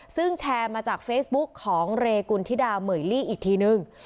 ซึ่งแชร์มาจากเฟซบุ๊กของเรกุณฑิดาเหมือยลี่อีกทีนึง